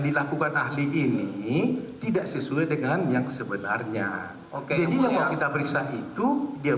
dilakukan ahli ini tidak sesuai dengan yang sebenarnya oke jadi yang mau kita periksa itu dia